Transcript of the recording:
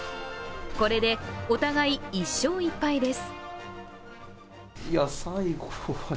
これでお互い１勝１敗です。